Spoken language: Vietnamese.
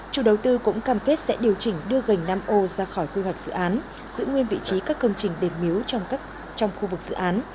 chủ đầu tư cũng cam kết sẽ điều chỉnh đưa gành nam âu ra khỏi quy hoạch dự án giữ nguyên vị trí các công trình đền miếu trong khu vực dự án